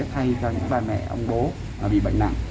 thay cho những bà mẹ ông bố bị bệnh nặng